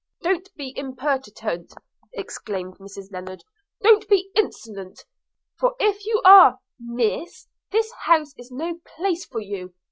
'Don't be impertinent,' exclaimed Mrs Lennard; 'don't be insolent – for if you are, Miss, this house is no place for you.